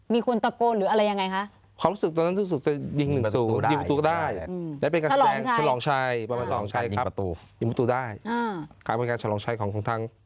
มีคนตะโกนหรืออะไรยังไงคะ